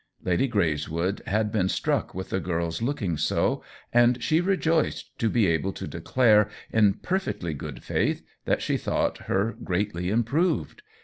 Lady Greyswood had been struck with the girl's looking so, and she rejoiced to be able to declare, in perfectly good* faith, that she thought her greatly improved.